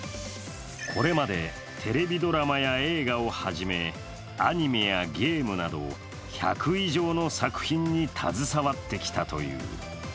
これまで、テレビドラマや映画をはじめ、アニメやゲームなど、１００以上の作品に携わってきたという。